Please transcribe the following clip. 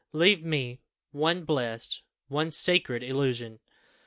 Leave me one blessed, one sacred illusion.